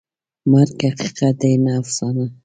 مرګ حقیقت دی، نه افسانه.